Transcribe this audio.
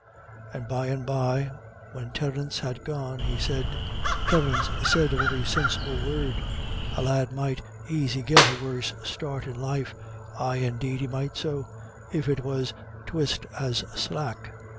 And by and by when Terence had gone, he said, "Terence said a very sinsible word; a lad might aisy get a worse start in life, ay indeed he might so, if it was twyste as slack.